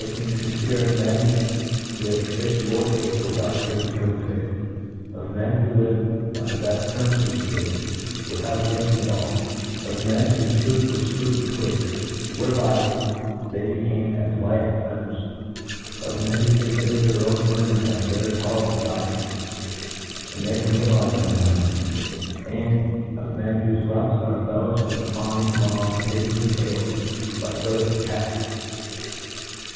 think fmcet e, of men who ate filh four days without drinking till the fifth j * of men who li ved on the bed terms with feals, without drink ing at all ;— of men whbfe food wafc fruit and twigs, whereby they became as light as feathers j —of men who confider their own vermin as a very tolerable diet, and make a meal on them *now and then ;— and, of men whofc rumps arc cmbcUifhcd with fiiiC, long, tapering tails, hkc thof# PREFACE. 17 ihok of cats.